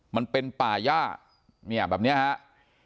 มันเป็นป่าย่าเนี่ยแบบนี้ครับ